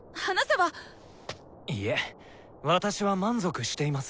いえ私は満足しています。